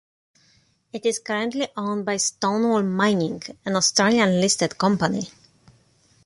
It is currently owned by Stonewall Mining, an Australian listed company.